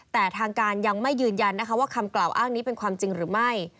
แต่ทางการยังไม่ยืนยันนะคะว่าคำกล่าวอ้างนี้เป็นความจริงหรือไม่